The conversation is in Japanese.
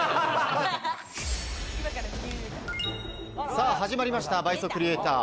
さぁ始まりました、倍速リエイター。